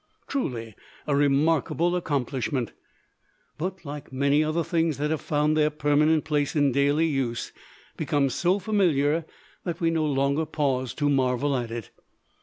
Truly a remarkable accomplishment; but, like many other things that have found their permanent place in daily use, become so familiar that we no longer pause to marvel at it.